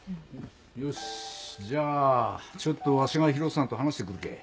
よしじゃあちょっとわしがひろっさんと話して来るけぇ。